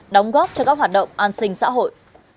đóng góp cho các hoạt động an sinh xã hội